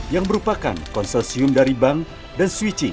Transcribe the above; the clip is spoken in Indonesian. yang merupakan konsorsium dari bank dan switching